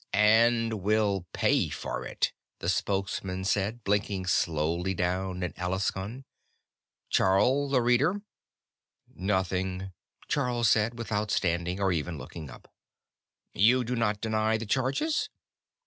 "And will pay for it," the Spokesman said, blinking slowly down at Alaskon. "Charl the Reader." "Nothing," Charl said, without standing, or even looking up. "You do not deny the charges?"